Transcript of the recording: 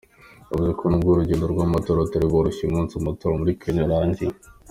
Yavuze ko nubwo urugendo rw’amatora rutari rworoshye uyu munsi amatora muri Kenya arangiye.